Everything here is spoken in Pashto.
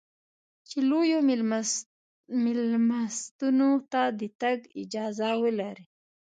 چې لویو مېلمستونو ته د تګ اجازه ولرې.